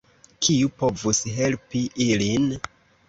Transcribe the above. Kiu povus helpi ilin?